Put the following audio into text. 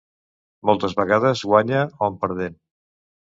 Moltes vegades guanya hom perdent.